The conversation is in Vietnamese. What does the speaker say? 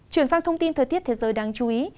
chuyển sang thông tin thời tiết thế giới đáng chú ý